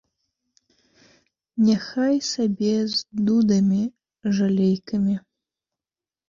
Няхай сабе з дудамі жалейкамі.